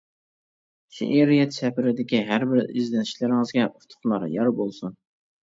شېئىرىيەت سەپىرىدىكى ھەربىر ئىزدىنىشلىرىڭىزگە ئۇتۇقلار يار بولسۇن!